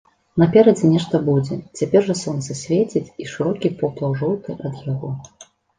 Наперадзе нешта будзе, цяпер жа сонца свеціць, і шырокі поплаў жоўты ад яго.